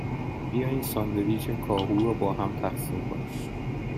بیا این ساندویچ کاهو را باهم تقسیم کنیم.